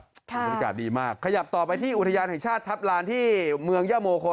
บรรยากาศดีมากขยับต่อไปที่อุทยานแห่งชาติทัพลานที่เมืองยะมงคล